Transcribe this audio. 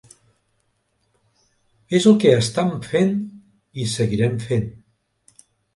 És el que estam fent i seguirem fent.